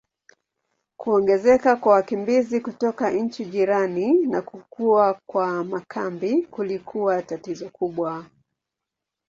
Kuongezeka kwa wakimbizi kutoka nchi jirani na kukua kwa makambi kulikuwa tatizo kubwa.